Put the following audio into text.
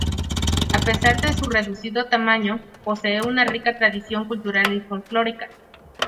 A pesar de su reducido tamaño, posee una rica tradición cultural y folklórica.